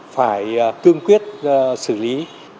phải cương quyết xử lý